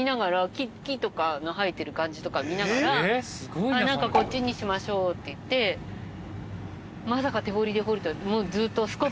でも木とかの生えてる感じとか見ながら何かこっちにしましょうって言ってまさか手掘りで掘るとは。